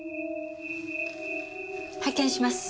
拝見します。